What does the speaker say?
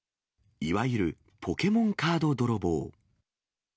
いわゆるポケモンカード泥棒。